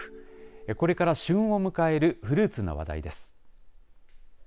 これから旬を迎えるフルーツの話題です。